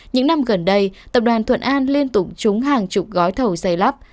những năm gần đây tập đoàn thuận an liên tục trúng hàng chục gói thầu xây lắp